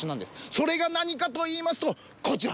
それが何かといいますとこちら。